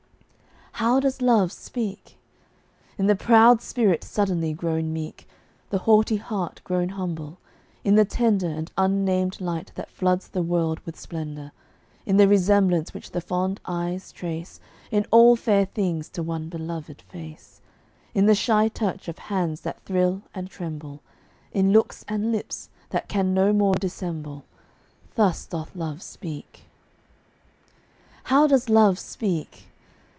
How does Love speak? In the proud spirit suddenly grown meek The haughty heart grown humble; in the tender And unnamed light that floods the world with splendor; In the resemblance which the fond eyes trace In all fair things to one beloved face; In the shy touch of hands that thrill and tremble; In looks and lips that can no more dissemble Thus doth Love speak. How does Love speak?